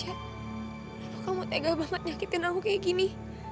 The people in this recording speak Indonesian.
kenapa kamu tegak banget nyakitin aku kayak gini